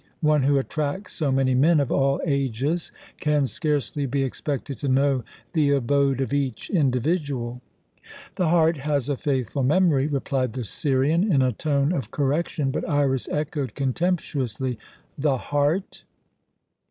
One who attracts so many men of all ages can scarcely be expected to know the abode of each individual." "The heart has a faithful memory," replied the Syrian in a tone of correction, but Iras echoed, contemptuously, "The heart!"